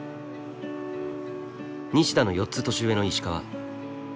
西田の４つ年上の石川。